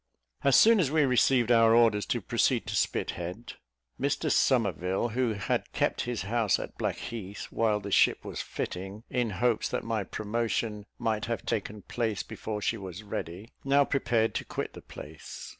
As soon as we received our orders to proceed to Spithead, Mr Somerville, who had kept his house at Blackheath while the ship was fitting, in hopes that my promotion might have taken place before she was ready, now prepared to quit the place.